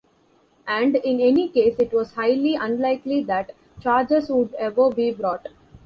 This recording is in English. And, in any case, it was highly unlikely that charges would ever be brought.